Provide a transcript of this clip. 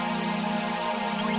masih ada yang mau bawa bang